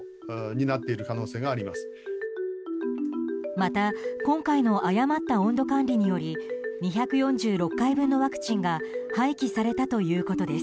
また、今回の誤った温度管理により２４６回分のワクチンが廃棄されたということです。